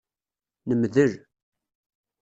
Nemdel.